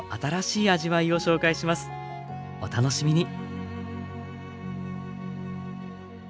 お楽しみに。